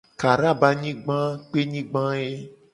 Kara be anyigba a kpenyigba ye.